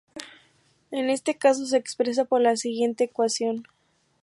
En este caso se expresa por la siguiente ecuación.